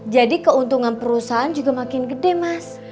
jadi keuntungan perusahaan juga makin gede mas